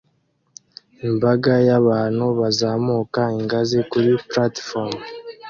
Imbaga y'abantu bazamuka ingazi kuri platifomu